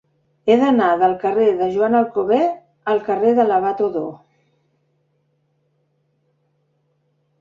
He d'anar del carrer de Joan Alcover al carrer de l'Abat Odó.